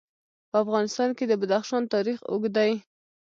په افغانستان کې د بدخشان تاریخ اوږد دی.